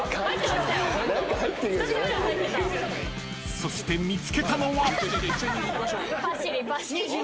［そして見つけたのは］